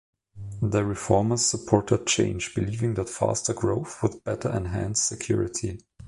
The reformers supported change, believing that faster growth would better enhance security.